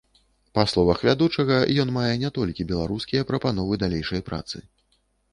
Па словах вядучага, ён мае не толькі беларускія прапановы далейшай працы.